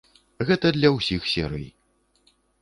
Гэта для ўсіх серый.